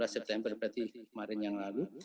enam belas september berarti kemarin yang lalu